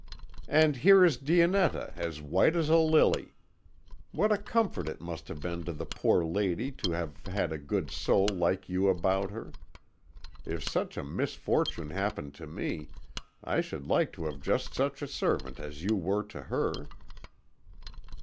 And here is Dionetta, as white as a lily. What a comfort it must have been to the poor lady to have had a good soul like you about her! If such a misfortune happened to me, I should like to have just such a servant as you were to her."